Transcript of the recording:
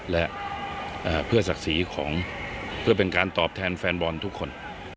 และเพื่อศักดิ์ศรีของเพื่อเป็นการตอบแทนแฟนบอลทุกคน